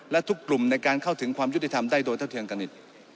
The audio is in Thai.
และทุกกลุ่มในการเข้าถึงความยุติธรรมได้โดยเท่าเทียมกันอีก